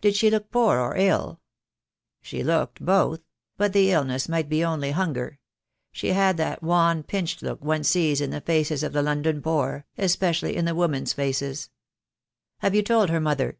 "Did she look poor or ill?" "She looked both — but the illness might be only hunger. She had that wan pinched look one sees in the faces of the London poor, especially in the women's faces." "Have you told her mother?"